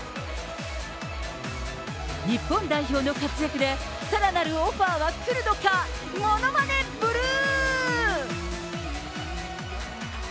日本代表の活躍で、さらなるオファーは来るのか、ものまねブルー。